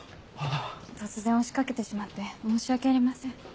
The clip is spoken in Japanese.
突然押し掛けてしまって申し訳ありません。